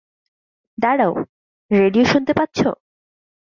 দাঁড়াও - রেডিও শুনতে পাচ্ছ?